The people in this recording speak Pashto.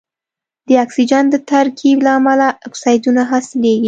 د اکسیجن د ترکیب له امله اکسایدونه حاصلیږي.